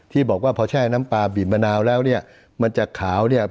ที่บอกว่าพอแช่น้ำปลาบีบมะนาวแล้วเนี่ยมันจะขาวเนี่ย